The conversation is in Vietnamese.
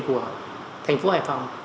của thành phố hải phòng